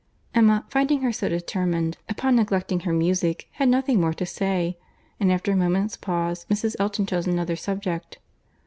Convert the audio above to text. Emma, finding her so determined upon neglecting her music, had nothing more to say; and, after a moment's pause, Mrs. Elton chose another subject.